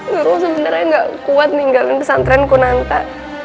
nurul sebenarnya nggak kuat ninggalin pesantren kunanta